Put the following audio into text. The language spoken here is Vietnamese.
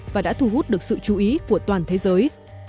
và đã thu hút được sự chú ý của toàn thế giới